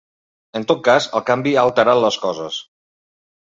En tot cas, el canvi ha alterat les coses.